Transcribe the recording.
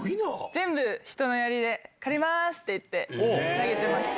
全部人のやりで、借りまーすって言って借りてました。